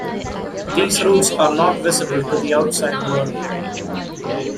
These routes are not visible to the outside world.